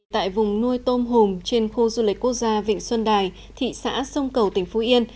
tại vùng nuôi tôm hùm trên khu du lịch quốc gia vịnh xuân đài thị xã sông cầu tỉnh phú yên